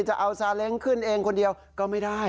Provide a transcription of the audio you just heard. จะเอาซาเล้งขึ้นเองคนเดียวก็ไม่ได้